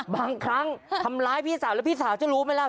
บางครั้งทำร้ายพี่สาวแล้วพี่สาวจะรู้ไหมล่ะ